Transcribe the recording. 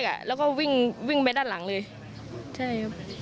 เขาโวยบายไหม